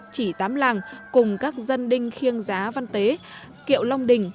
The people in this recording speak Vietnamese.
chỉ tám làng cùng các dân đinh khiêng giá văn tế kiệu long đình